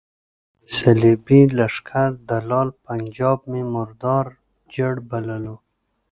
د صلیبي لښکر دلال پنجاب مې مردار جړ بللو.